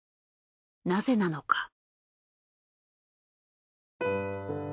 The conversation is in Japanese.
なぜなのか？